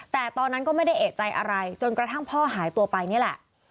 แต่ตอนนั้นก็ไม่ได้เอกใจอะไรจนกระทั่งพ่อหายตัวไปนี่แหละ